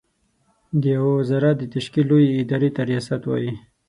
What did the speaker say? د يوه وزارت د تشکيل لويې ادارې ته ریاست وايې.